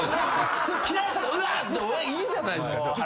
でいいじゃないですか。